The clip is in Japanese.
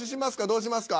どうしますか？